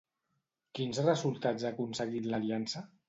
Quins resultats ha aconseguit l'Aliança?